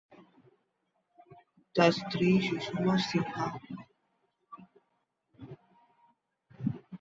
তার স্ত্রী সুষমা সিনহা।